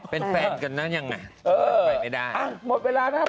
เป็นแฟนกันน่ะยังไงไปไม่ได้เออหมดเวลานะครับ